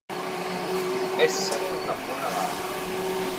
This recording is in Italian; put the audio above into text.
Essere una buona lana.